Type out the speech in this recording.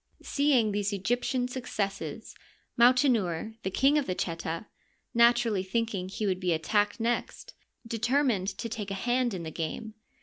Seeing these Egyptian successes, Mautenouer, the king of the Cheta, naturally thinking he would be attacked next, determined to take a hand in the game.